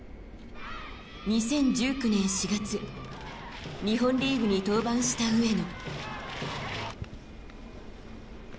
２０１９年４月日本リーグに登板した上野。